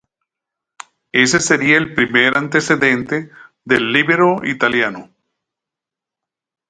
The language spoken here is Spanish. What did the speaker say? Ese sería el primer antecedente del líbero italiano.